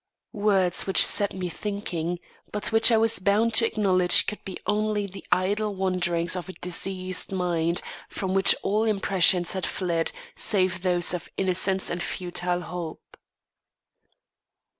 Words which set me thinking; but which I was bound to acknowledge could be only the idle maunderings of a diseased mind from which all impressions had fled, save those of innocence and futile hope.